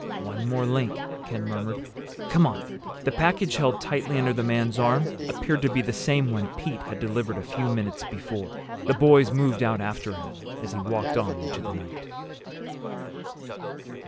"One more link," Ken murmured. "Come on." The package held tightly under the man's arm appeared to be the same one Pete had delivered a few minutes before. The boys moved out after him as he walked on into the night.